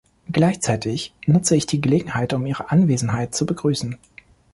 Gleichzeitig nutze ich die Gelegenheit, um ihre Anwesenheit zu begrüßen.